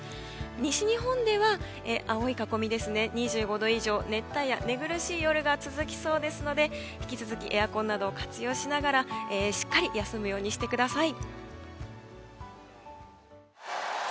西日本では青い囲み２５度以上の熱帯夜寝苦しい夜が続きそうですので引き続きエアコンなどを活用しながらしっかり休むようにしてください。